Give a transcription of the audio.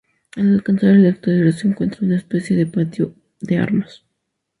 Al alcanzar el exterior se encuentra en una especie de patio de armas.